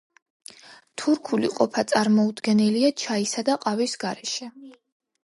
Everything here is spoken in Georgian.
თურქული ყოფა წარმოუდგენელია ჩაისა და ყავის გარეშე.